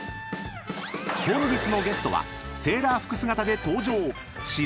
［本日のゲストはセーラー服姿で登場］